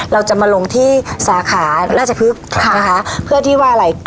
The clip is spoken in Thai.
เราจะมาลงที่สาขาราชพฤกษ์นะคะเพื่อที่ว่าอะไร